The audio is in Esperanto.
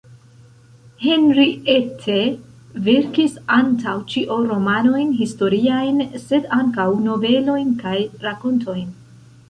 Henriette verkis antaŭ ĉio romanojn historiajn sed ankaŭ novelojn kaj rakontojn.